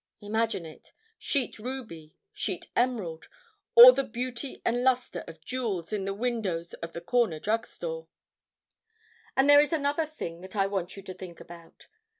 Imagine it; sheet ruby, sheet emerald, all the beauty and luster of jewels in the windows of the corner drugstore! And there is another thing that I want you to think about.